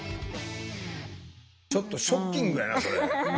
ちょっとショッキングやなそれ。